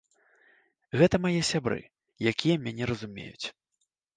Гэта мае сябры, якія мяне разумеюць.